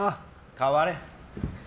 代われ。